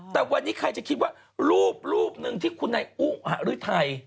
แต่วันนี้ใครจะคิดว่ารูปหนึ่งที่คุณนายอุหฤทัย